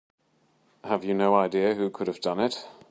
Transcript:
Have you no idea who could have done it?